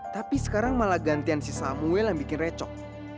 tapi sekarang malah gantian si samuel yang bikin recok